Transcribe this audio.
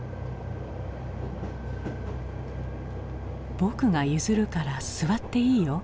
「僕が譲るから座っていいよ」。